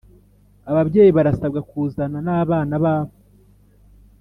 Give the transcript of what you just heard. Ababyeyi barasabwa kuzana n’bana babo